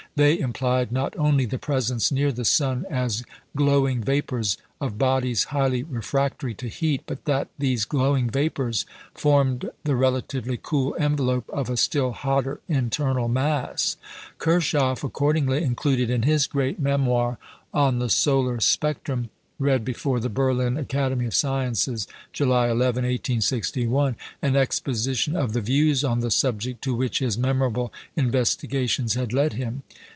They implied not only the presence near the sun, as glowing vapours, of bodies highly refractory to heat, but that these glowing vapours formed the relatively cool envelope of a still hotter internal mass. Kirchhoff, accordingly, included in his great memoir "On the Solar Spectrum," read before the Berlin Academy of Sciences, July 11, 1861, an exposition of the views on the subject to which his memorable investigations had led him.